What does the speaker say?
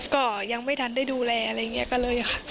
ก็ยังไม่ทันได้ดูแลอะไรอย่างนี้ก็เลยค่ะ